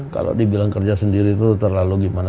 kalau dibilang kerja sendiri itu terlalu gimana